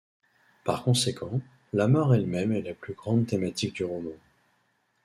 Par conséquent, la mort elle-même est la plus grande thématique du roman.